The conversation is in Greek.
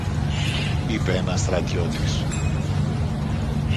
είπε ένας στρατιώτης.